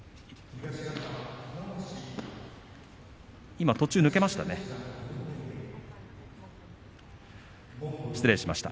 今、途中が抜けました。